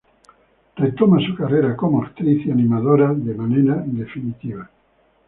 Retoma su carrera como actriz y animadora, de manera definitiva.